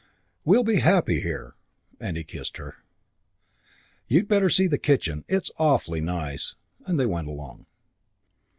"We'll be happy here," and he kissed her. "You'd better see the kitchen. It's awfully nice;" and they went along.